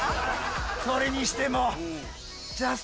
それにしても。